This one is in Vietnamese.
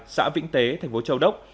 xã vĩnh tế tp châu âu